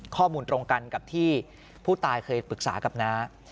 ข้อมูลตรงกันกับที่ผู้ตายเคยปรึกษากับน้า